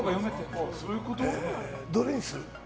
どれにする？